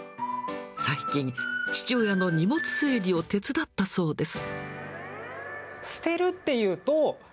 最近、父親の荷物整理を手伝ったそうです。